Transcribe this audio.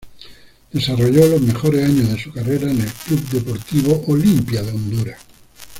Desarrolló los mejores años de su carrera en el club Deportivo Olimpia de Honduras.